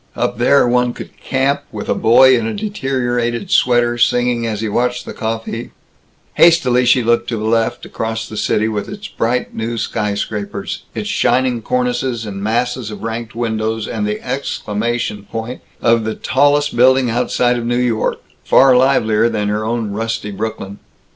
Up there, one could camp, with a boy in a deteriorated sweater singing as he watched the coffee Hastily she looked to the left, across the city, with its bright new skyscrapers, its shining cornices and masses of ranked windows, and the exclamation point of the "tallest building outside of New York" far livelier than her own rusty Brooklyn.